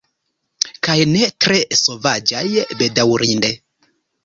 Kaj ne tre sovaĝaj, bedaŭrinde.